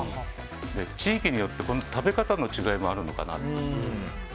地域によって食べ方の違いもあるのかなと。